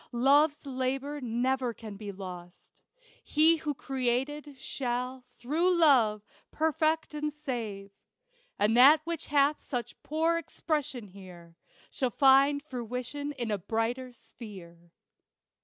Love's labor never can be lost. He who Created, shall, through Love, perfect and save; And that which hath such poor expression here, Shall find fruition in a brighter sphere.